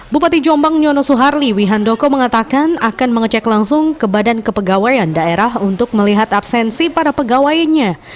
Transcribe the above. bupati jombang nyono suharli wihandoko mengatakan akan mengecek langsung ke badan kepegawaian daerah untuk melihat absensi para pegawainya